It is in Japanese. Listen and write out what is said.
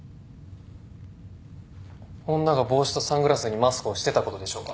女が帽子とサングラスにマスクをしてたことでしょうか。